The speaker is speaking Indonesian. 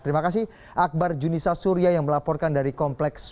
terima kasih akbar junissa surya yang melaporkan dari kompas